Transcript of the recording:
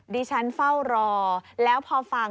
ฉันเฝ้ารอแล้วพอฟัง